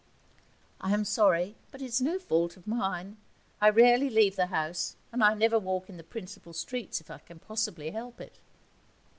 'I am sorry, but it is no fault of mine. I rarely leave the house, and I never walk in the principal streets if I can possibly help it.'